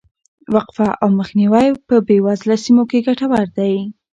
وقفه او مخنیوی په بې وزله سیمو کې ګټور کار دی.